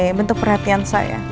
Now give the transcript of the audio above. sebagai bentuk perhatian saya